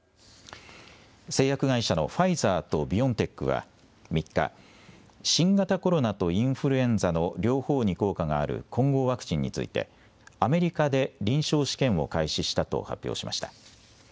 製薬会社のファイザーとビオンテックは３日、新型コロナとインフルエンザの両方に効果がある混合ワクチンについて、アメリカで臨床試験を開始したと発表しました。